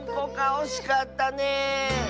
おしかったねえ！